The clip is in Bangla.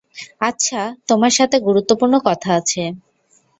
আচ্ছা, তোমার সাথে গুরুত্বপূর্ণ কথা আছে।